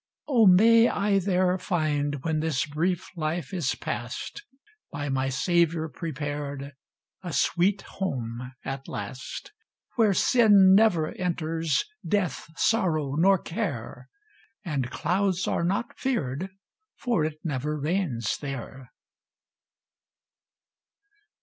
Oh! may I there find, when this brief life is past, By my Saviour prepared, a sweet home at last; Where sin never enters, death, sorrow, nor care, And clouds are not feared, for it never rains there.